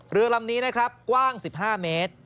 เรือลำนี้นะครับกว้าง๑๕เมตร